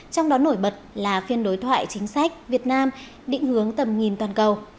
trong đó nổi bật là phiên đối thoại chính sách việt nam định hướng tầm nhìn toàn cầu